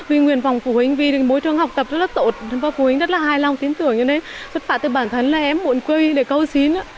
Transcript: vì nguyên vọng phụ huynh vì bối trường học tập rất là tốt phụ huynh rất là hài lòng tin tưởng cho nên xuất phạm từ bản thân là em muộn quy để câu xin